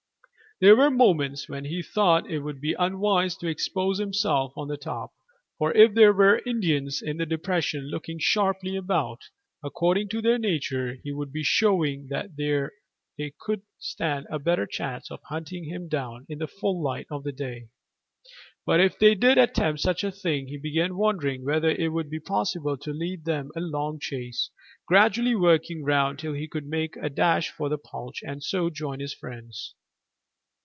There were moments when he thought it would be unwise to expose himself on the top, for if there were Indians in the depression looking sharply about, according to their nature, he would be showing where they could stand a better chance of hunting him down in the full light of day. But if they did attempt such a thing he began wondering whether it would be possible to lead them a long chase, gradually working round till he could make a dash for the gulch and so join his friends.